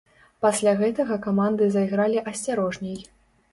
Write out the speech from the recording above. Пасля гэтага каманды зайгралі асцярожней.